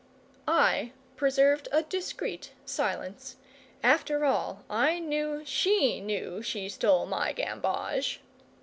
I preserved a discreet silence. After all, I knew SHE knew she stole my gamboge.